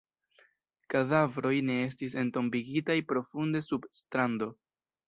Kadavroj ne estis entombigitaj profunde sub strando.